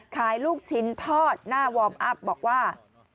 ลูกชิ้นทอดหน้าวอร์มอัพบอกว่า